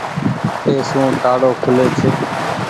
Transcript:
اي سون تآڙو کولي ڇي۔